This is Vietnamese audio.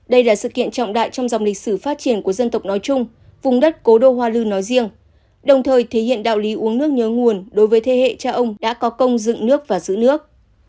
đây là sự kiện trọng đại trong dòng lịch sử phát triển của dân tộc nói chung vùng đất cố đô hoa lư nói riêng đồng thời thể hiện đạo lý uống nước nhớ nguồn đối với thế hệ cha ông đã có công dựng nước và giữ nước